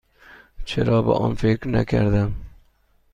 چرا به آن فکر نکردم؟